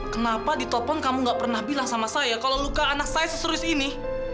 kenapa ditopong kamu gak pernah bilang sama saya kalau luka anak saya seserius ini